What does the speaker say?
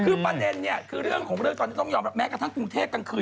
คือประเด็นเนี่ยคือเรื่องของเรื่องตอนนี้ต้องยอมรับแม้กระทั่งกรุงเทพกลางคืน